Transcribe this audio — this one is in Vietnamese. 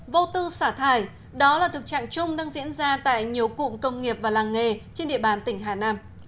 vô tư xả thải đó là thực trạng chung đang diễn ra tại nhiều cụm công nghiệp và làng nghề trên địa bàn tỉnh hà nam